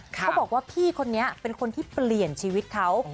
เขาบอกว่าพี่คนนี้เป็นคนที่เปลี่ยนชีวิตเขา